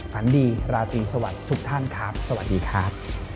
ฝันดีราตรีสวัสดีทุกท่านครับสวัสดีครับ